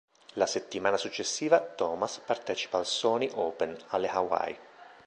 La settimana successiva, Thomas partecipa al Sony Open alle Hawaii.